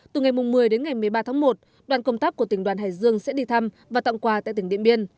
từ ngày một mươi đến ngày một mươi ba tháng một đoàn công tác của tỉnh đoàn hải dương sẽ đi thăm và tặng quà tại tỉnh điện biên